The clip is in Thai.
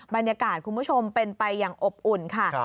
บรรยากาศคุณผู้ชมเป็นไปอย่างอบอุ่นค่ะ